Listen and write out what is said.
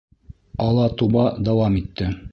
Алатуба дауам итте: